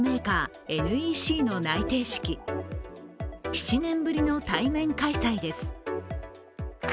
７年ぶりの対面開催です。